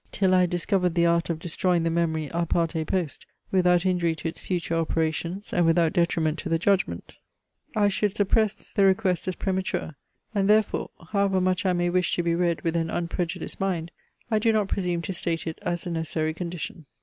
Till I had discovered the art of destroying the memory a parte post, without injury to its future operations, and without detriment to the judgment, I should suppress the request as premature; and therefore, however much I may wish to be read with an unprejudiced mind, I do not presume to state it as a necessary condition.